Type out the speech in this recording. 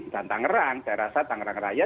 dan tangerang saya rasa tangerang raya